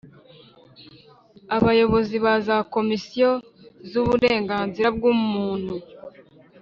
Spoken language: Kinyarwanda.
Abayobozi ba za Komisiyo zuburenganzira bw’muntu.